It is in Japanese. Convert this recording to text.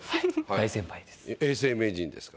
大先輩です。